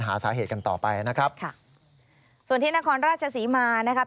หาสาเหตุกันต่อไปนะครับค่ะส่วนที่นครราชศรีมานะครับ